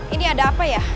ini ada apa ya